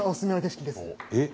えっ？